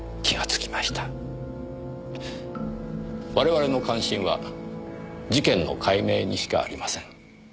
我々の関心は事件の解明にしかありません。